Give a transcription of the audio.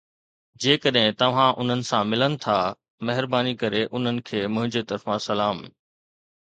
جيڪڏهن توهان انهن سان ملن ٿا، مهرباني ڪري انهن کي منهنجي طرفان سلام